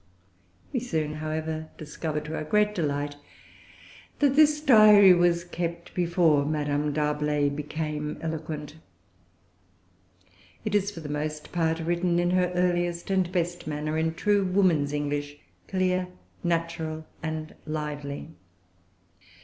We soon, however, discovered to our great delight that this Diary was kept before Madame D'Arblay became eloquent. It is, for the most part, written in her earliest and best manner, in true woman's English, clear, natural, and lively.